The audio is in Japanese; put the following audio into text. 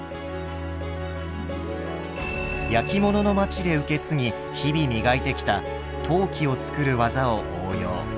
焼き物の町で受け継ぎ日々磨いてきた陶器を作る技を応用。